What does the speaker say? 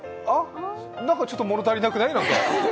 何かちょっと物足りなくない？